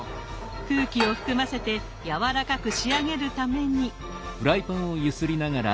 空気を含ませてやわらかく仕上げるために。